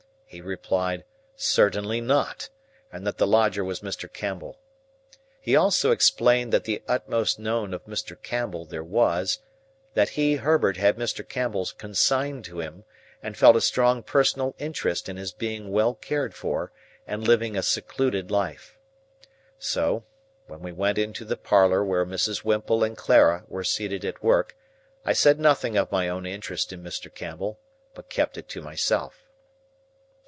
He replied, certainly not, and that the lodger was Mr. Campbell. He also explained that the utmost known of Mr. Campbell there was, that he (Herbert) had Mr. Campbell consigned to him, and felt a strong personal interest in his being well cared for, and living a secluded life. So, when we went into the parlour where Mrs. Whimple and Clara were seated at work, I said nothing of my own interest in Mr. Campbell, but kept it to myself.